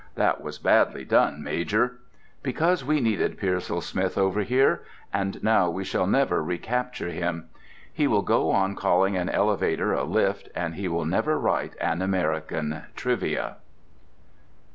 That was badly done, Major! Because we needed Pearsall Smith over here, and now we shall never recapture him. He will go on calling an elevator a lift, and he will never write an American "Trivia."